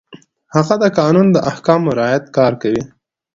هغه د قانون د احکامو په رعایت کار کوي.